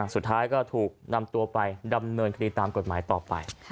สุดท้ายก็ถูกนำตัวไปดำเนินคดีตามกฎหมายต่อไป